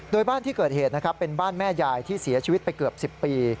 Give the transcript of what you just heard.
โดยบ้านที่เกิดเหตุนะครับเป็นบ้านแม่ยายที่เสียชีวิตไปเกือบ๑๐ปี